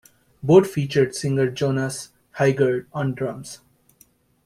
Both featured singer Jonas Heidgert on drums.